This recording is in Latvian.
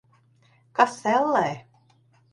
Kas, ellē?